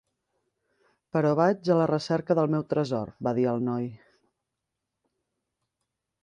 "Però vaig a la recerca del meu tresor", va dir el noi.